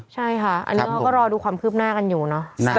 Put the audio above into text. ใช่ค่ะอันนี้เขาก็รอดูความคืบหน้ากันอยู่เนอะ